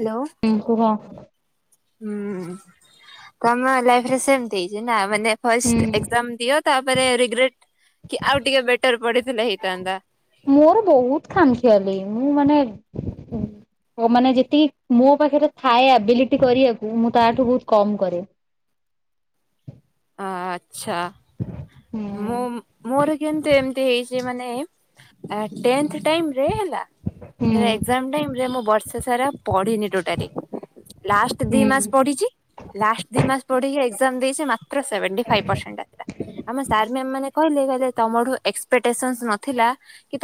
Hello! ହୁଁ କୁହ ହୁଁ ତମ ଲାଇଫରେ ସେମତି ହେଇଛି ନା ମାନେ ହୁଁ ଫରେଷ୍ଟ ଏକ୍ସାମ୍ ଦିଅ ତାପରେ ରିଗ୍ରେଡ କି ଆଉ ଟିକେ ବେଟର ପଢିଥିଲେ ହେଇଥାନ୍ତା। ମୋର ବହୁତ ଖାମଖିଆଲି ମୁଁ ମାନେ ମାନେ ଯେତିକି ମୋ ପାଖରେ ଥାଏ ଆବିଲିଟି କରିବାକୁ ମୁଁ ତାଠୁ ବହୁତ କମ କରେ। [inaudible] ଆଛା ହୁଁ ମୁଁ ମୋର କିନ୍ତୁ ଏମିତି ହେଇଛି ମାନେ ଟେନ୍ଥ ଟାଇମରେ ହେଲା ହୁଁ ଏଜ୍ଜାମ୍ ଟାଇମ ରେ ମୁଁ ବର୍ଷା ସାରା ପଢିନି ଟୋଟାଲ। ଲାଷ୍ଟ ଦି ମାସ ହୁଁ ପଢିଚି। ଲାଷ୍ଟ ଦି ମାସ ପଢିକି ଏଜ୍ଜାମ୍ ଦେଇଚି। ମାତ୍ର ସେଭେଣ୍ଟୀ ଫାଇଭ ପର୍ଶେଣ୍ଟ ଆସିଲା।। ଆମ ସାର ମାମ୍ ମାନେ କହିଲେ ତମଠୁ ଏକ୍ସପେଟେସନ ନଥିଲା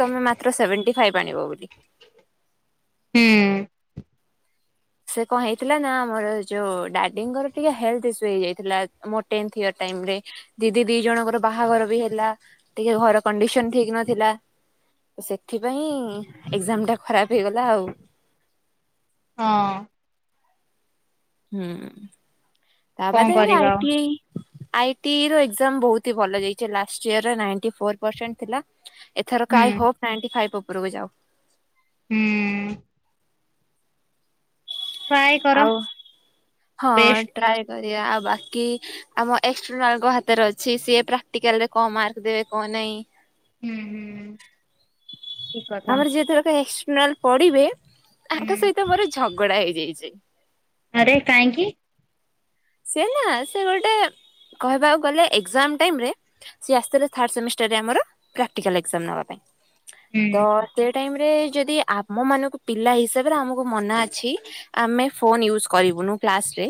ତମେ ମାତ୍ର ସେଭେଣ୍ଟି ଫାଇବ ଆଣିବ ବୋଲି। [inaudible] ହୁଁ। ସେ କଣ ହେଇଥିଲା ନା ମୋର ଯୋଉ ଡାଡିଙ୍କର ଟିକେ ହେଲଥ ଇସୁ ହେଇଯାଇଥିଲା ମୋ ଟେନ୍ଥ ଇୟର ଟାଇମ୍ ରେ। ଦିଦି ଦି ଜଣଙ୍କର ବାହାଘର ବି ହେଲା। ଟିକେ ଘର କଣ୍ଡିସନ ଠିକ ନଥିଲା ସେଥିପାଇଁ ଏଜ୍ଜାମ ଟା ଖରାପ ହେଇଗଲା ଆଉ। ହଁ। ହୁଁ ତା କଣ ବାଦ ବି କରିବା ଆଉ। ଆଇଟିଆଇ ଆଇଟିର ଏଜ୍ଜାମ୍ ବହୁତ ଭଲ ଯାଇଛି। ଲାଷ୍ଟ ଇୟର ର ନାଇଟି ଫୋର୍ ପର୍ଷେଣ୍ଟ ଥିଲା। ଏଥରକ ହୁଁ ଆଇ ହୋପ ନାଇଣ୍ଟି ଫାଇବ ଉପରକୁ ଯାଉ। ହୁଁ। ଟ୍ରାଏ କର ଆଉ ହଁ ବେଷ୍ଟ ଦିଅ ଟ୍ରାଏ କରିବା। ଆଉ ବାକି କି ଆମ ଏକ୍ସଟନାର୍ଲ ଙ୍କ ହାତରେ ଅଛି। ସିଏ ପ୍ରାକ୍ଟିକାଲରେ କଣ ମାର୍କ ଦେବେ କଣ ନାଇଁ। ହୁଁ ହୁଁ। ଠିକ କଥା ଆମର ଯିଏ ଏଇ ଥରକ ଏକ୍ସଟନାଲ ପଡିବେ ହୁଁ ତାଙ୍କ ସହିତ ମୋର ଝଗଡା ହେଇଯାଇଚି। ଆରେ କାହିଁକି? ସେ ନା ସେ ଗୋଟେ କହିବାକୁ ଗଲେ ଏକ୍ଜାମ ଟାଇମରେ ସିଏ ଆସିଥିଲେ ଥାର୍ଡ଼ ସେମିଷ୍ଟରରେ ଆମର ପ୍ରାକ୍ଟିକାଲ୍ ଏକ୍ଜାମ ନେବା ପାଇଁ। ହୁଁ [unintelligible] ଟାଇମ ରେ ଯଦି ଆମ ମାନଙ୍କୁ ପିଲା ହିସାବରେ ଆମକୁ ମନା ଅଛି, ଆମେ ଫୋନ ୟୁଜ୍ କରି ବୁନୁ କ୍ଲାସରେ।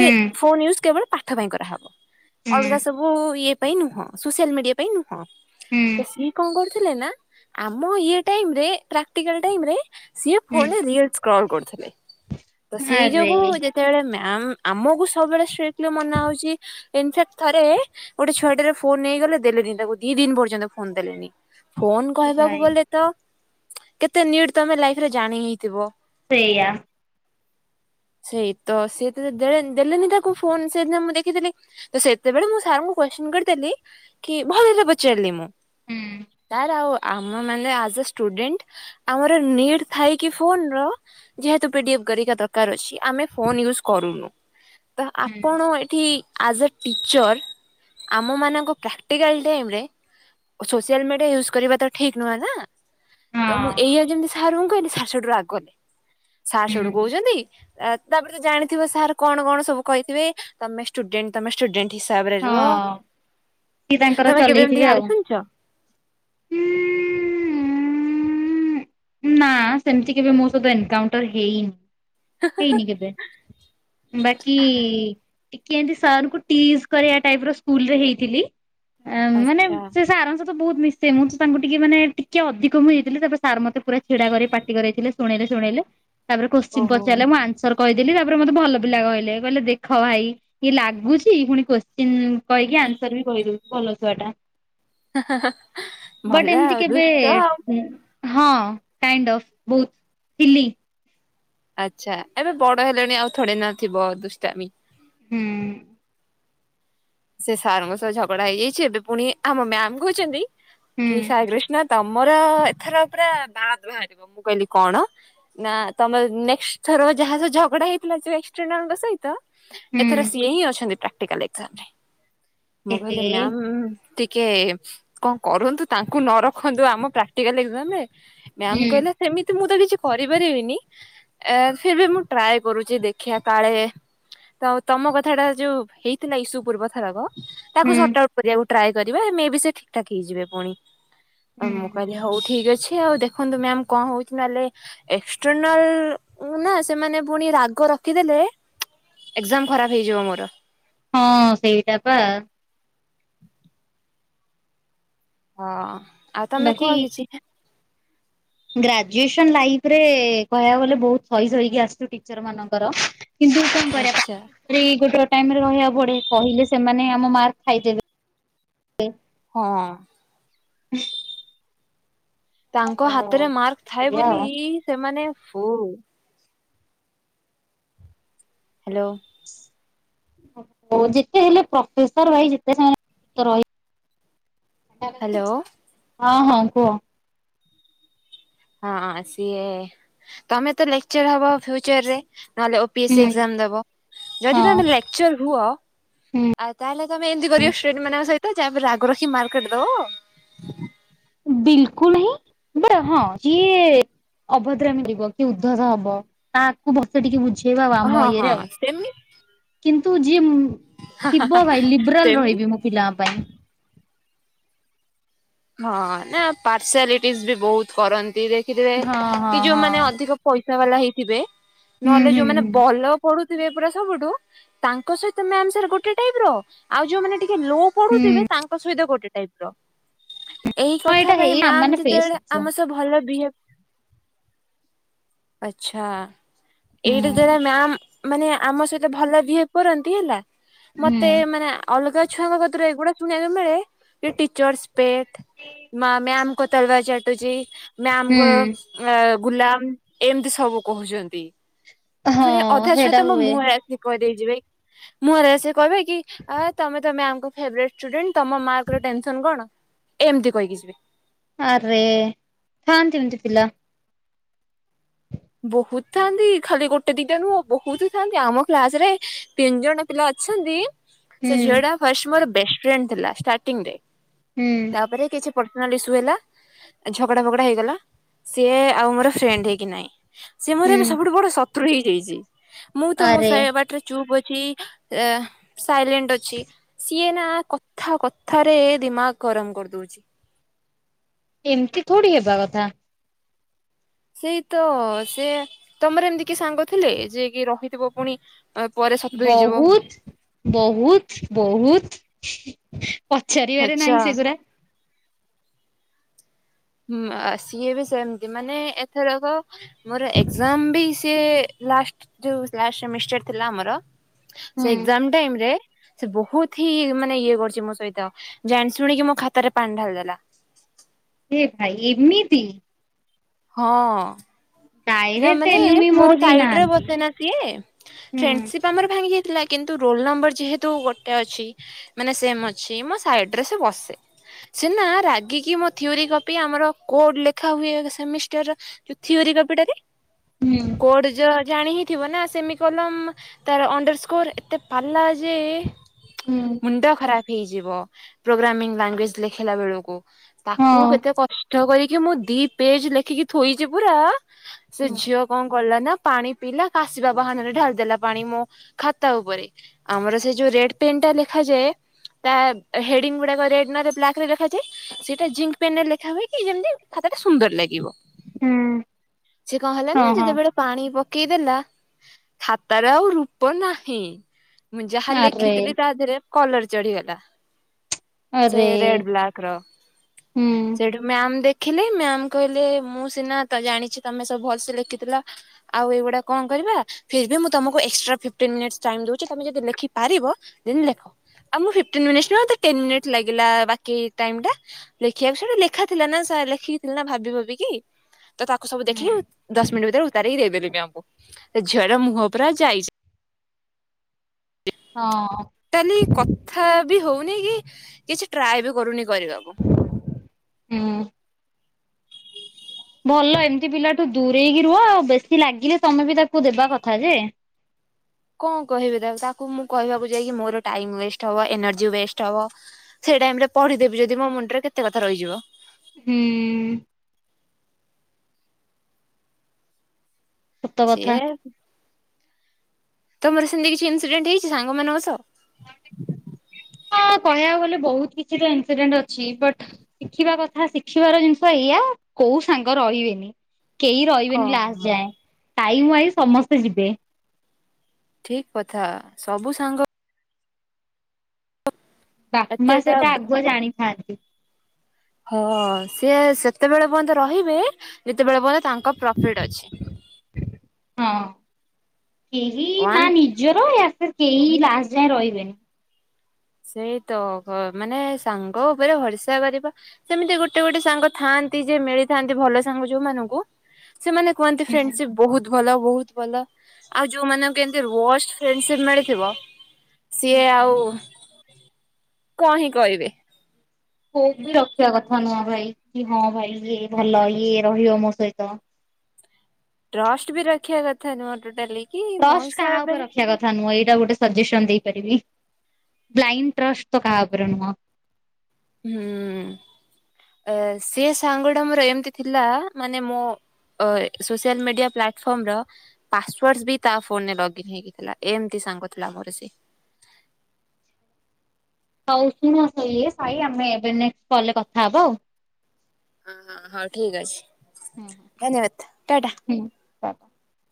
ହୁଁ ଏ ଫୋନ ୟୁଜ କେବଳ ପାଠ ପାଇଁ କରାହେବ। ହୁଁ ଅଲଗାସବୁ ଇଏ ପାଇଁ ନୁହଁ, ସୋଆଲ ମିଡିଆ ପାଇଁ ନୁହଁ। ହୁଁ ତ ସିଏ କଣ କର ଥିଲେନା ଆମ ଇଏ ଟାଇମରେ ପ୍ରାକ୍ଟିକାଲ ଟାଇମରେ ସିଏ ହୁଁ ଫୋନ୍ ରେ ରିଲସ ସ୍କ୍ରୋଲ୍ କରୁ ଦେବେ। ତ ସେଇ ଆରେ ଯୋଗୁ ଯେତେବେଳେ ମ୍ୟାମ୍ ଆମକୁ ସବୁବେଳେ ଷ୍ଟ୍ରିକଟଲି ମନା ହଉଛି ଇନଫାକ୍ଟ ଥରେ ଗୋଟେ ଛୁଆଟିରେ ଫୋନ ନେଇଗଲେ ଦେଲେନି। ଦିନେ ଗୋଟିଏ ଦିନ ପର୍ଯ୍ୟନ୍ତ ଫୋନ ଦେଲେନି। ଫୋନ କହିବାକୁ ଭାଇ ଗଲେ ତ କେତେ ନିଟ୍ ତମେ ଲାଇଫ୍ ରେ ଜାଣି ହିଁ ଥିବ। ସେଇୟା। ସେଇ ତ ସେ ତ ଯଦି ଦେଲେନି ଦେଲେନି ତାକୁ ଫୋନ। ସେ ଦିନ ମୁଁ ଦେଖିଥିଲି। ତ ସେତେବେଳେ ମୁଁ ସାର୍ ଙ୍କୁ କୋଶ୍ଚିନ କରିଦେଲି। କି ଭଲରେ ପଚାରିଲି ମୁଁ। ହୁଁ ସାର୍ ଆଉ ଆମ ମାନେ ଆଜ୍ ଏ ଷ୍ଟୁଡେଣ୍ଟ ଆମର ନିଟ୍ ଥାଇକି ଫୋନ ର ଯେହେତୁ ପିଡ଼ିଏଫ୍ କରିକା ଦରକାର ଅଛି ଆମେ ଫୋନ ୟୁଜ କରୁନୁ। ତ ହୁଁ ଆପଣ ଏଠି ଆଜ୍ ଏ ଟିଚର୍ ଆମମାନଙ୍କ ପ୍ରାକ୍ଟିକାଲ ଟାଇମ୍ ରେ ସୋସିଆଲ ମିଡିଆ ୟୁଜ୍ କରିବା ତ ଠିକ ନୁହେଁ ନା। ତ ମୁଁ ହଁ ଏଇଆ ଯେମିତି ସାର୍ ଙ୍କୁ କହିଲି ସାର ସେଠୁ ରାଗିଗଲେ। ସାର୍ ସେଠୁ ହୁଁ। କହୁଛନ୍ତି ତା ତାପରେ ଜାଣିଥିବେ ସାର୍ କଣ କଣ ସବୁ କହିଥିବେ। ତମେ ଷ୍ଟୁଡେଣ୍ଟ ତମେ ଷ୍ଟୁଡେଣ୍ଟ ହିସାବରେ ହଁ ରୁହ। ସିଏ ତାଙ୍କର ତମେ କେବେ ଏମିତି ଚଲେଇଥିବେ ଆଉ। ଗାଳି ଶୁଣିଚ? [inaudible] ଉଁ ନା ସେମିତି କେବେ ମୋ ସହିତ ଏନକାଉଣ୍ଟର ହେଇନି। ହେଇନି କେବେ। ବାକି ଟିକେ ଏମତି ସାରଙ୍କୁ ଟିକ୍ସ କରିବା ଟାଇପର ସ୍କୁଲ ରେ ହେଇଥିଲି। ମାନେ ଆଚ୍ଛା ସେ ସାର୍ ଙ୍କ ସହ ବହୁତ ମିଶେ। ମୁଁ ତାଙ୍କୁ ଟିକେ ମାନେ ଟିକେ ଅଧିକ ମୁଁ ହେଇଥିଲି। ତାପରେ ସାର୍ ମତେ ପୁରା ଛିଡା କରି ପାଟି କରିଥିଲେ ଶୁଣେଇଲେ। ଶୁଣେଇଲେ। ତା ପରେ କୋଶ୍ଚିନ ଓହୋ ପଚାରଲେ ମୁଁ ଆନସର କହିଦେଲି। ତାପରେ ମତେ ଭଲ ପିଲା କହିଲେ। କହିଲେ ଦେଖ ଭାଇ ଇଏ ଲାଗୁଛି ପୁଣି କୋଶ୍ କୋଶ୍ଚିନ୍ କହିକି ଆନ୍ସର ବି କହିଦେଉଛି। ଭଲ ଛୁଆ ଟା। ଭଲ ବଅଟ ଏମିତି ଆଉ କେବେ ଦୁଷ୍ଟ ଆଉ। ହଁ କାଇଣ୍ଡ ଅଫ ବହୁତ ଥିଲି। ଆଚ୍ଛା ଏବେ ବଡ ହେଲଣି ଆଉ ଥୋଡ଼ି ନା ଥିବ ଦୁଷ୍ଟାମି। ହୁଁ। ସେ ସାରଙ୍କ ସହ ଝଗଡା ହେଇଯାଇଚି ଏବେ ପୁଣି ଆମ ମ୍ୟାମ କହୁଚନ୍ତି ହୁଁ କି ସାଇକ୍ରିଷ୍ଣା ତମର ଏଥର ପୁରା ଦାଦ ବାହାରିବ ମୁଁ କହିଲି କଣ ନା ତମେ ନେକ୍ସଟ ର ଯାହାର ଝଗଡା ହେଇଥିଲ ସେ ଏକ୍ସଟ୍ରିନାଲଙ୍କ ସହିତ ତ ହୁଁ ଏଥର ସିଏ ହିଁ ଅଛନ୍ତି ପ୍ରାକ୍ଟିକାଲ ଏକ୍ଜାମ ରେ। ମୁଁ ଏହେ କହିଲି ମ୍ୟାମ ଟିକେ କଁ କରନ୍ତୁ ତାଙ୍କୁ ନ ରଖନ୍ତୁ ଆମ ପ୍ରାକ୍ଟିକାଲ ଏକ୍ଜାମ ରେ। ମ୍ୟାାମ ହୁଁ କହିଲେ ସେମିତି ମୁଁ ତ କିଛି କିଛି କରିପାରିବିନି ଫିରବି ମୁଁ ଟ୍ରାଏ କରୁଛି ଦେଖିବା କାଳେ ତ ତମ କଥା ଟା ଯୋଉ ହେଇଥିଲା ଇସୁ ପୂର୍ବ ଥରକ, ତାକୁ ହୁଁ ସଟଆଉଟ କରିବାକୁ ଟ୍ରାଏ କରିବା ମେବି ସେ ଠିକ୍ ଠାକ ହେଇଯିବେ ପୁଣି। ଆଉ ମୁଁ ହୁଁ କାଲି ହଉ ଠିକ ଅଛି। କିଏ ଆଉ ଦେଖନ୍ତୁ ମ୍ୟାମ କଣ ହଉଚି ନହେଲେ ଏକ୍ସଟରନାଲ କୁ ନା ସେମାନେ ପୁଣି ରାଗ ର ଖି ଦେଲେ ଏକଜାମ ଖରାପ ହେଇଯିବ ମୋର। ହଁ ସେଇଟା ପା। ହଁ ଆଉ ତମେ ବାକି କୁହ କିଛି। ଗ୍ରାଜୁଏସନ ଲାଇଫରେ କହିବାକୁ ଗଲେ ବହୁତ ସହି ସଇ କି ଆସିଛୁ ଟିଚର ମାନଙ୍କର। କିନ୍ତୁ କଣ କରିବା ଆଚ୍ଛା [unintelligible] ଗୋଟେରେ ଟାଇମରେ ରହିବାକୁ ପଡ଼େ କହିଲେ ସେମାନେ ଆମ ମାର୍କ ଖାଇଦେବେ। ହଁ। [inaudible] ତାଙ୍କ ଆଉ ହାତରେ ମାର୍କ ଥାଏ ସେଇଆ ବୋଲି ଆଉ ସେମାନେ ଓ ହୋ। ହାଲୋ। ଆ ହଉ ଯେତେ ହେଲେ ପ୍ରଫେସର ଭାଇ ଯେତେ [unintelligible] ସେତେ ଭଲ। ହାଲୋ। ହଁ ହଁ କୁହ। ହଁ ସିଏ ତମେ ତ ଲେକ୍ଚର ହବ ଫ୍ୟୁଚର ରେ। ନହେଲେ ଓ ପି ଏସ୍ ହୁଁ ଏକଜାମ ଦେବ ହଁ ଯଦି ତମେ ଲେକ୍ଚର ହୁଅ ହୁଁ ଆଉ ତାହେଲେ ତମେ ଏମିତି କରିବ ସ୍ଟୁଡେଣ୍ଟ ମାନଙ୍କ ସହିତ ଯାହା ଉପରେ ରାଗ ରଖି ମାରକ୍ କାଟିଦବ। ବିଲକୁଲ ହିଁ ବା ହଁ ଯିଏ ଅଭଦ୍ରାମି ଯିବ କି ଉଦ୍ଧତ ହବ ତାକୁ ବସ ଟିକେ ବୁଝ ସିଏ ପା ଆମ ହଁ ଇଏରେ ହଁ ସେମି କିନ୍ତ ନ୍ତୁ ଯିଏ ଥିବ ଭାଇ ଲିବରାଲ ସେମି ରହିବି ମୋ ପିଲାଙ୍କ ପାଇଁ। ହଁ ନା ପାର୍ସିଆଲିଟିସ ବି ବହୁତ କରନ୍ତି ଦେଖ ଖିଥିବେ ହଁ ହଁ କି ହଁ ଯୋଉମାନେ ଅଧିକ ପଇସା ବାଲା ହେଇଥିବେ ହୁଁ ନହେଲେ ହୁଁ ଯୋଉମାନେ ଭଲ ପଢ଼ୁ ଥିବେ ପରା ସବୁଠୁ ତାଙ୍କ ସହିତ ମ୍ୟାମ ସାର ଗୋଟେ ଟାଇପ ର ଆଉ ଯୋଉମାନେ ଟି କେ ଲୋ ହୁଁ। ପଢ଼ୁଥିବେ ହୁଁ ତାଙ୍କ ସହିତ ଗୋଟେ ଟାଇପ ର। ଏଇ ହଁ କଥା ଏଇଟା ପାଇଁ ହେଇ ମ୍ୟାମ ଆମେମାନେ ଫେସ୍ ଯେତେବେଳେ କରୁଛୁ ଆମ ସହ ଭଲ ବିହେ ଆଚଛା ହୁଁ ଏଇଟା ଯାର ମ୍ୟାମ ମାନେ ଆମ ସହିତ ଭଲ ବିହେଭ କରନ୍ତି ହେଲା ହୁଁ ମତେ ମାନେ ଅଲଗା ଛୁଆଙ୍କ କତିରୁ ଏଗୁଡ଼ା ଶୁଣିଆକୁ ମିଳେ କି ଟିଚର୍ସ ପେଟ୍ ମା ମ୍ୟା ମ୍ ଙ୍କ ତଲୱା ଚାଟୁଚି ହୁଁ। ମ୍ୟାମକୁ ଆ ଗୁଲାମ ଏମିତି ସବୁ କହୁଛନ୍ତି। ପୁଣି ହଁ ଅଧା ଛୁଆ ସେଇଟା ତ ମୋ ହୁଏ ମୁହରେ ଆସିକି କହିଦେଇ ଯିବେ କି ମୁଁ ଏରା ସେ କହିବେ କି ଆ ତମେତ ମ୍ୟାମଙ୍କ ଫେବ୍ରେଟ ସ୍ଟୁଡେଣ୍ଟ। ତମ ମାର୍କ ର ଟେନସନ କଣ ଏମିତି କହିକି ଯିବେ। ଆରେ ଥାଆନ୍ତି ଏମିତି ପିଲା। ବହୁତ ଥାନ୍ତି ଖାଲି ଗୋଟେ ଦିଟା ନୁହଁ ବହୁତ ଥାଆନ୍ତି ଆମ କ୍ଲାସ ରେ ତିନି ଜଣ ପିଲା ଅ ଅଛନ୍ତି। ହୁଁ ସେ ଝିଅଟା ଫାଷ୍ଟ ମୋର ଫ୍ରେଣ୍ଡ ଥିଲା ଷ୍ଟାର୍ଟଂରେ ହୁଁ ତାପରେ କିଛି ପର୍ଟନାଲି ସୁଏ ନା ହେଲା ଝଗଡ଼ା ଫଗଡ଼ା ହେଇଗଲା ସିଏ ଆଉ ମୋର ଫ୍ରେଣ୍ଡ ହେଇକି ନାଇଁ। ସେ ମୋର ହୁଁ ଏବେ ସବୁଠୁ ବଡ ଶତ୍ରୁ ହେଇଯାଇଛି ମୁଁ ତ ମୋ ଆରେ ସାହି ବାଟରେ ଚୁପ୍ ଅ ଛି ଆ ସାଇଲେଣ୍ଟ ଅଛି ସିଏ ନା କଥା କଥାରେ ଦିମାଗ ଗରମ କରିଦଉଛି। ଏମିତି ଥୋଡି ହେବା କଥା। ସେଇ ତ ସେ ତମର ଏମିତି କି ସାଙ୍ଗ ଥିଲେ ଯେ କି ରହିଥିବ ପୁଣି? ପରେ ଶତ୍ରୁ ହେଇଯିବ ବହୁତ ବହୁତ ବହୁତ। ପଚାରିବାରେ ଆଚ୍ଛା ନାହିଁ ସେଗୁରା। ହୁଁ ଆ ସିଏ ବି ସେମତି ମାନେ ଏଥରକ ମୋର ଏକଜାମ ବି ସିଏ ଲାଷ୍ଟ ଯୋଉ ଲାଷ୍ଟ ସେମିଷ୍ଟାର ଥିଲା ଆମର ସେ ହୁଁ। ଏକଜାମ ଟାଇମ୍ ରେ ସେ ବହୁତ ହିଁ ମାନେ ଇଏ କରୁଛି ମୋ ସହିତ ଜାଣି ଶୁଣିକି ମୋ ଖାତାରେ ପାଣି ଢ଼ାଳି ଦେଲା। [inaudible] ହେ ଭାଇ ଏମିତି। ହଁ। ନା ଡାଇରେକ୍ଟ ମାନେ ଏନିମି ମୋ ମୋର କେହି ସାଇଡରେ ନାହାନ୍ତି। ବସେନା ସିଏ ହୁଁ ଫ୍ରେଣ୍ଡସିପ ଆମର ଭାଙ୍ଗି ଥିଲା କିନ୍ତୁ ରୋଲ ନମ୍ବର ଯେହେତୁ ଗୋଟେ ଅଛି ମାନେ ସେମ ଅଛି ମୋ ସାଇଡରେ ସେ ବସେ। ସିଏନା ରାଗିକି ମୋ ଥିଓରି କପି ଆମର କୋଡ ଲେଖା ହୁଏ ସେମିଷ୍ଟର। କପିଟାରେ ହୁଁ କୋ ଯ ଜାଣି ହିଁ ଥିବ ନା ସେମ କଲମ ତାର ଅଣ୍ଡର ସ୍କୋର ଏତେ ପାଲା ଯେ ମୁଣ୍ଡ ଖରାପ ହେଇଯିବ ପ୍ରୋଗ୍ରାମିଂ ଲାଙ୍ଗୁଏଜ ଲେଖିଲା ବେଳକୁ। ତାକୁ ହଁ। କେତେ କଷ୍ଟ କରିକି ମୁଁ ଦି ପେଜ ଲେଖିକି ଥୋଇଛି ପୁରା ସେ ହୁଁ ଝିଅ କଣ କଲା ନା ପାଣି ପିଇଲା କାସିବା ବାହାନାରେ ଢାଳିଦେଲା ପାଣି ମୋ ଖାତା ଉପରେ ଆମର ସେ ଯୋଉ ରେଡ଼୍ ପେନ୍ ଟା ଲେଖାଯାଏ। ତା ହେଡିଙ୍ଗ ଗୁଡାକ ରେଡ ନହେଲେ ବ୍ଲାକ ରେ ଲେଖାଯାଏ ସେଇଟା ଜିଙ୍କ ପେନ ରେ ଲେଖା ହୁଏ। ଯେମିତି ଖାତା ଟା ସୁନ୍ଦର ଲାଗିବ। ସିଏ କଣ ହେଲାନ ହଁ ନା ହଁ ଯେତେବେଳେ ପାଣି ପକେଇଦେଲା ଖାତାର ଆଉ ରୂପ ନାହିଁ। ମୁଁ ଯାହା ଆରେ ଲେଖିଥିଲି ତା ଦେହରେ କଲର ଚଢିଗଲା। ସେ ଆରେ ରେଡ ବ୍ଲାକ ର ହୁଁ। ସେଠୁ ଆମ ମ୍ୟାମ ଦେ ଦେଖିଲେ ମ୍ୟାାମ କହିଲେ ମୁଁ ସିନା ତ ଜାଣିଛି ତମେ ସବୁ ଭଲସେ ଲେଖିଥିଲ ଆଉ ଏଇଗୁଡା କଣ କରିବା ଫି ମୁଁ ତମକୁ ଏକଟ୍ରା ଉଛି ତମେ ଯଦି ଲେଖିପାରିବ ଲେଖ। ଆଉ ଫିପଟିନ ମିନିଟ୍ ନୁହଁ ଟେନ ମିନିଟ୍ ଲାଗିଲା ବାକି ଟାଇମ୍ ଟା ଦେଖା ଥିଲାନା ଲେଖି ଥିଲି ନା ଭାବି ଭୁବାକି ତ ସବୁ ଦେଖିକି ହୁଁ ଦଶ ମିନିଟ୍ ଭିତରେ ଉତାର ହି ଦେଇଦେଲି ବି ଆମକୁ ଝିଅର ମୁହଁ ପୁରା ଯାଇଚି। ହଁ ତାଲି କଥା ବି ହଉନି କି କିଛି ଟ୍ରାଏ ବି କରୁନି। କରିବାକୁ। ହୁଁ। ଭଲ ଏମିତି ପିଲାଠୁ ଦୂରେଇକି ରୁହ ଆଉ ବେଶୀ ଲାଗିଲେ ତମେ ବି ତାକୁ ଦେବା କଥା ଯେ। କଣ କହିବି ତାକୁ ତାକୁ ମୁଁ କହିବାକୁ ଯାଇକି ମୋର ଟାଇମ ୱେଷ୍ଟ ହବ ଏନର୍ଜି ୱେଷ୍ଟ ହବ। ସେଇ ଟାଇମ ରେ ପଢିଦେବି ଯଦି ମୁଣ୍ଡରେ କେତେ କଥା ରହିଯିବ। ହୁଁ। ସତ କଥା। ସିଏ ତମର ସେମିତି କିଛି ଇନସିଡେଣ୍ଟ ହେଇଛି ସାଙ୍ଗମାନଙ୍କ ସହ? କହିବାକୁ ଗଲେ ବହୁତ କିଛିଟା ଇନସିଡେଣ୍ଟ ଅଛି ବଟ ଶିଖିବା କଥା ଶିଖିବାର ଜିନିଷ ଏଇଆ। କୋଉ ସାଙ୍ଗ ରହିବେନି? କେହି ରହିବେନି ଲାଷ୍ଟ ହଁ। ଯାଏଁ ଟାଇ ୱଇ ସମସ୍ତେ ଯିବେ। ଠିକ୍ କଥା। ସବୁ ସାଙ୍ଗ ବାପା ମା ଏତେଟା ସେଟା ଆଗୁଆ ଜାଣିଥାନ୍ତି। ହଁ ସିଏ ସେତେବେଳେ ପର୍ନ୍ତ ରହିବେ। ଯେତେବେଳେ ପର୍ଯ୍ୟ ତାଙ୍କ ପ୍ରଫିଟ୍ ଅଛି। ହଁ କେହି ୱାନ ନା ନିଜର ୟାଫେରେ କେହି ଲାଷ୍ଟ ଯାଏଁ ରହିବେନି। ସେଇ ତ ଘ ମାନେ ସାଙ୍ଗ ଉପରେ ଭରିସା କରିବା ସେମିତି ଗୋଟେ ଗୋଟେ ସାଙ୍ଗ ଥାନ୍ ମିଳିଥାନ୍ତି ଭଲ ସାଙ୍ଗ ଯୋଉ ମାନଙ୍କୁ ସେମାନେ କୁହନ୍ତି ହୁଁ ଫ୍ରେଣ୍ଡସିପ୍ ବହୁତ ଭଲ ବହୁତ ଭଲ। ଆଉ ଯୋଉ ମାନଙ୍କୁ ବୋର୍ସ ଫ୍ରେଣ୍ଡସିପ ମିଳିଥିବ। ହୁଁ ସିଏ ହୁଁ। ଆଉ କଣ ହିଁ କହିବେ। ହୋପ ବି ରଖିବା କଥା ନୁହଁ ଭାଇ କି ହଁ ଭାଇ ଇଏ ଭଲ ଇଏ ରହିବ ମୋ ସହିତ। ଟ୍ରଷ୍ଟ ବି ରଖିବା କଥା ନୁହଁ ଟୋଟାଲି। କି ମୋ ଟଷ୍ଟ କାହା ଉପରେ ହିସାବରେ ରଖିବା କଥା ନୁହଁ। ଏଇଟା ଗୋଟେ ସଜେସନ ଦେଇ ପାରିବି ଲାଇନ ଟ୍ରଷ୍ଟ ତ କାହା ଉପରେ ନୁହଁ। ହୁଁ। ଅ ସିଏ ସାଙ୍ଗଡା ମୋର ଏମିତି ଥିଲା। ମାନେ ମୋ ଓଏ ସୋସିଆଲ ମିଡିଆ ପ୍ଲାଟଫର୍ମ ର ପାସୱାର୍ଡସ୍ ବି ତା ଫୋନରେ ଲଗଇନ୍ ହେଇକି ଥିଲା। ଏମତି ସାଙ୍ଗଥିଲା ମୋର ସିଏ। ହଉ ଶୁଣ ସଇ ସାଇ ଆମେ ଏବେ ନେକଷ୍ଟ କଲ୍ ରେ କଥା ହବା ଆଉ। ହ ହଁ ହଁ ଠିକ୍ ଅଛି। ହୁଁ ଧନ୍ୟବାଦ ଟାଟା। ହୁଁ। [unintelligible]